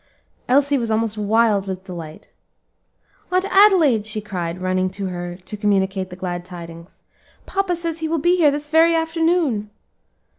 Elsie was almost wild with delight. "Aunt Adelaide," she cried, running to her to communicate the glad tidings, "papa says he will be here this very afternoon."